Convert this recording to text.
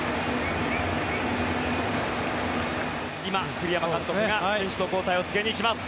今、栗山監督が選手の交代を告げに行きます。